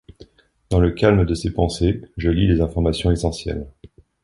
Dans le calme de ses pensées, je lis les informations essentielles.